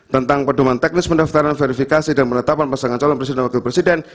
tentang pedoman teknis pendaftaran verifikasi dan penetapan pasangan calon presiden dan wakil presiden